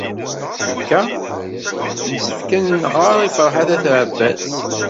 Cikkeɣ yessefk ad as-nɣer i Ferḥat n At Ɛebbas.